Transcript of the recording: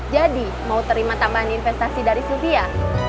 jadi mau terima tambahan investasi dari sylvia